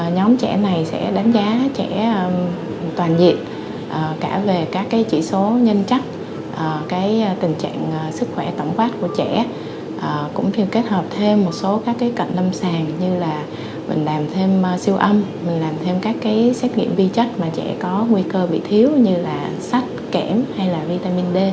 nhóm trẻ này sẽ đánh giá trẻ toàn diện cả về các cái chỉ số nhân chất cái tình trạng sức khỏe tổng quát của trẻ cũng như kết hợp thêm một số các cái cạnh lâm sàng như là mình làm thêm siêu âm mình làm thêm các cái xét nghiệm vi chất mà trẻ có nguy cơ bị thiếu như là sách kẻm hay là vitamin d